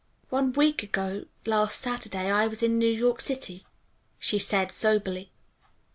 "One week ago last Saturday I was in New York City," she said soberly.